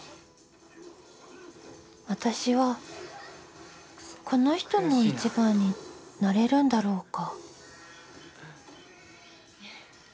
私はこの人の１番になれるんだろうか